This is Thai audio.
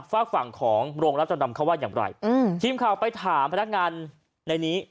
ฝากฝั่งของโรงรับจำนำเขาว่าอย่างไรอืมทีมข่าวไปถามพนักงานในนี้